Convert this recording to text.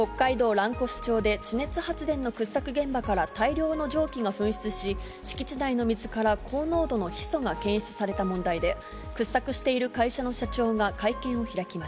蘭越町で、地熱発電の掘削現場から大量の蒸気が噴出し、敷地内の水から高濃度のヒ素が検出された問題で、掘削している会